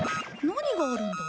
何があるんだ？